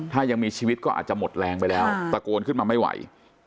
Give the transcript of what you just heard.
ถ้ายังมีชีวิตก็อาจจะหมดแรงไปแล้วตะโกนขึ้นมาไม่ไหว